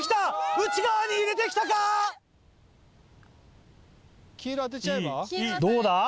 内側に入れてきたか⁉どうだ？